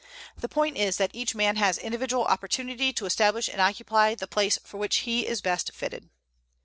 The point is that each man has individual opportunity to establish and occupy the place for which he is best fitted.